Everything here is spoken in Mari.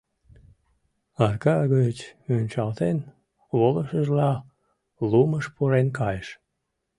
Арка гыч мунчалтен волышыжла лумыш пурен кайыш.